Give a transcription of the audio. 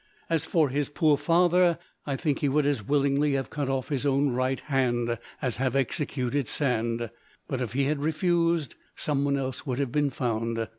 As for his poor father, I think he would as willingly have cut off his own right hand as have executed Sand; but if he had refused, someone else would have been found.